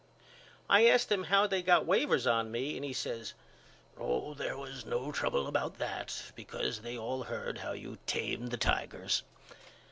I asked him how they got waivers on me and he says Oh there was no trouble about that because they all heard how you tamed the Tigers.